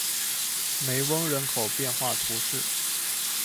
梅翁人口变化图示